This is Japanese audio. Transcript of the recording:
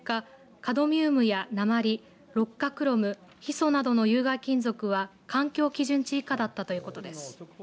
カドミウムや鉛六価クロムヒ素などの有害金属は環境基準値以下だったということです。